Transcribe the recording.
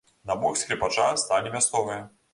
На бок скрыпача сталі мясцовыя.